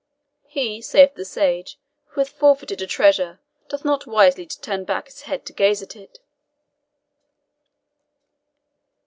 He, saith the sage, who hath forfeited a treasure, doth not wisely to turn back his head to gaze at it."